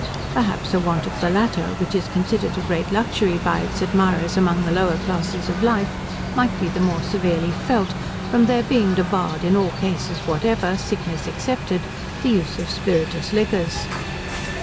Perhaps a want of the latter, which is considered a great luxury by its admirers among the lower classes of life, might be the more severely felt, from their being debarred in all cases whatever, sickness excepted, the use of spirituous liquors.